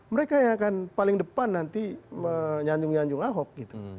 mereka yang akan paling depan nanti menyanjung nyanjung ahok gitu